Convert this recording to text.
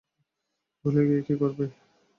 ভুলে গিয়ে কী করবো?